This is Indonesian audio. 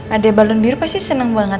adek balun biru pasti seneng banget